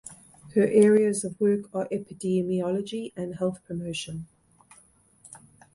Her areas of work are epidemiology and health promotion.